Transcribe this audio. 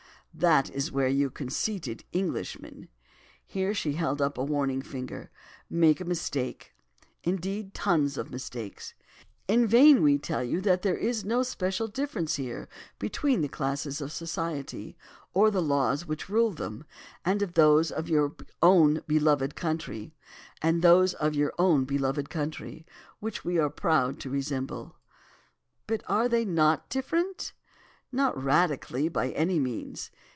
"That is where you conceited Englishmen"—here she held up a warning finger—"make a mistake, indeed tons of mistakes. In vain we tell you that there is no special difference here between the classes of society, or the laws which rule them, and those of your own beloved country, which we are proud to resemble." "But are they not different?" "Not radically, by any means.